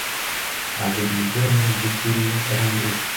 ntabwo nigera numva urwenya rwanduye